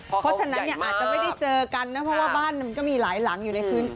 เพราะฉะนั้นเนี่ยอาจจะไม่ได้เจอกันนะเพราะว่าบ้านมันก็มีหลายหลังอยู่ในพื้น